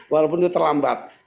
walaupun itu terlambat